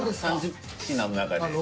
３０品の中で。